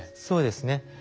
そうですね。